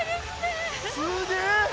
すげえ！